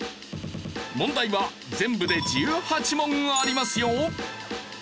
問題は全部で１８問ありますよ。